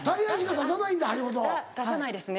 出さないですね。